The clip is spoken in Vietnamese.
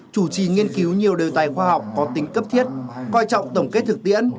chủ trì nghiên cứu nhiều đề tài khoa học có tính cấp thiết coi trọng tổng kết thực tiễn